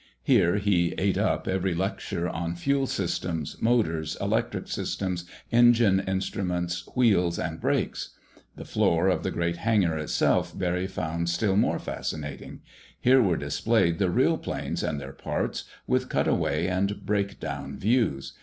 Here he "ate up" every lecture on Fuel Systems, Motors, Electric Systems, Engine Instruments, Wheels, and Brakes. The floor of the great hangar itself Barry found still more fascinating. Here were displayed the real planes and their parts, with cutaway and breakdown views.